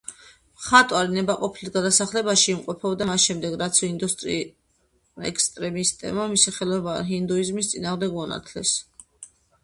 მხატვარი ნებაყოფლობით გადასახლებაში იმყოფებოდა, მას შემდეგ რაც ინდუისტმა ექსტრემისტებმა მისი ხელოვნება ჰინდუიზმის წინააღმდეგ მონათლეს.